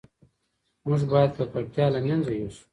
موږ باید ککړتیا له منځه یوسو.